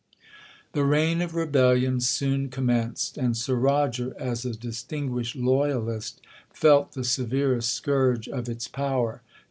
'The reign of rebellion soon commenced,—and Sir Roger, as a distinguished loyalist, felt the severest scourge of its power.